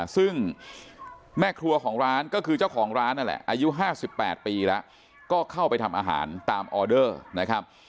ซึ่งแม่ครัวของร้านก็คือเจ้าของร้านนั่นแหละอายุ๕๘ปีแล้วก็เข้าไปทำอาหารตามออเดอร์นะครับ